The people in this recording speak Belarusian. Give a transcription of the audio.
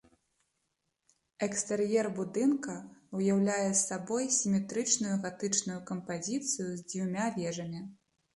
Экстэр'ер будынка ўяўляе сабой сіметрычную гатычную кампазіцыю з дзвюма вежамі.